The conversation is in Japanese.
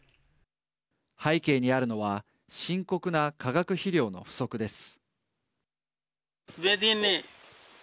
背景にあるのは深刻な化学肥料の不足です。